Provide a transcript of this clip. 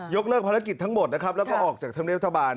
เลิกภารกิจทั้งหมดนะครับแล้วก็ออกจากธรรมเนียบรัฐบาล